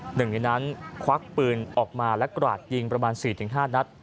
หนึ่งในนั้นควักปืนออกมาและกราดยิงประมาณ๔๕นัด